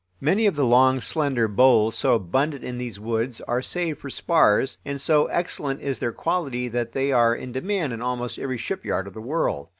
Many of the long, slender boles so abundant in these woods are saved for spars, and so excellent is their quality that they are in demand in almost every shipyard of the world.